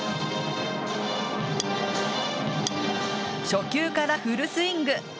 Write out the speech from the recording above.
初球からフルスイング。